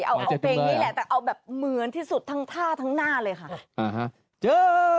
เอาเพลงนี้แหละแต่เอาแบบเหมือนที่สุดทั้งท่าทั้งหน้าเลยค่ะ